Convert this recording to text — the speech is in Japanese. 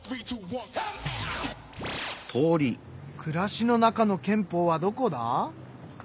暮らしの中の憲法はどこだ？